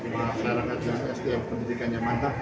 masyarakat yang istimewa pendidikan yang mantap